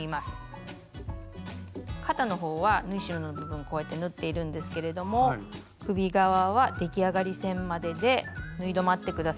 肩のほうは縫い代の部分こうやって縫っているんですけれども首側は出来上がり線までで縫い止まって下さい。